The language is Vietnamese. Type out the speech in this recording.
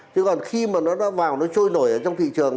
chứ còn khi mà nó đã vào nó trôi nổi ở trong thị trường